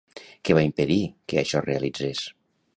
Què va impedir que això es realitzés?